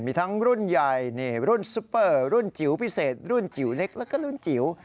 มีทั้งรุ่นใหญ่รุ่นซุปเปอร์รุ่นจิ๋วพิเศษรุ่นจิ๋วเล็กแล้วก็รุ่นจิ๋ว